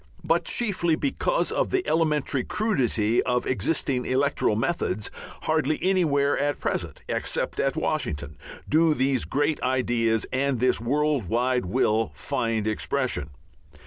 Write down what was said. But, chiefly because of the elementary crudity of existing electoral methods, hardly anywhere at present, except at Washington, do these great ideas and this world wide will find expression.